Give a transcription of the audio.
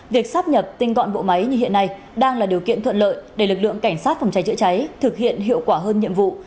việc sắp nhập tinh gọn bộ máy như hiện nay đang là điều kiện thuận lợi để lực lượng cảnh sát phòng cháy chữa cháy thực hiện hiệu quả hơn nhiệm vụ